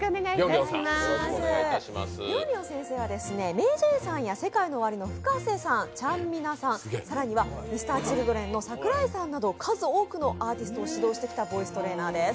りょんりょん先生はＭａｙＪ．さんやＳＥＫＡＩＮＯＯＷＡＲＩのＦｕｋａｓｅさん、ちゃんみなさん、更にはＭｒ．Ｃｈｉｌｄｒｅｎの桜井さんなど数多くのアーティストを指導してきたボイストレーナーです。